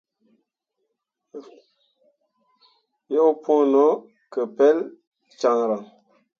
Yo pũũ no ke pelɓe caŋryaŋ.